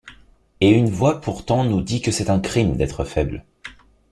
Et une voix pourtant nous dit que c’est un crime d’être faible.